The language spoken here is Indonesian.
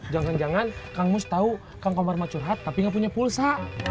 jangan jangan kang mus tahu kang komar mau curhat tapi gak punya pulsa